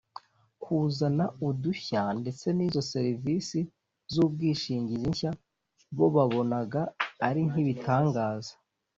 kuzana udushya ndetse n’izo serivisi z’ubwishingizi nshya bo babonaga ari nk’ibitangaza